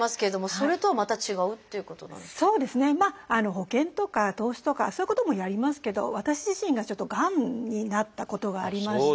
保険とか投資とかそういうこともやりますけど私自身ががんになったことがありまして。